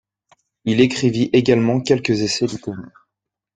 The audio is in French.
Il écrivit également quelques essais littéraires.